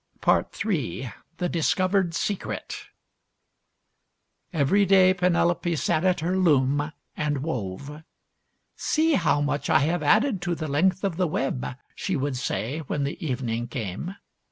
III. THE DISCOVERED SECRET Every day Penelope sat at her loom and wove. " See how much I have added to the length of the web," she would say when the evening came.